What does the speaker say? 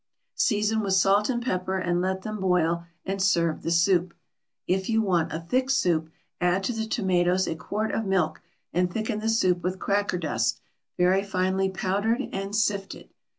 Season with salt and pepper, and let them boil, and serve the soup. If you want a thick soup, add to the tomatoes a quart of milk, and thicken the soup with cracker dust, very finely powdered and sifted.